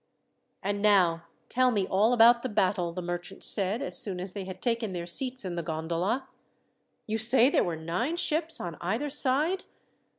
"And now tell me all about the battle," the merchant said as soon as they had taken their seats in the gondola. "You say there were nine ships on either side.